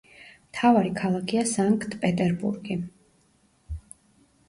მთავარი ქალაქია სანქტ-პეტერბურგი.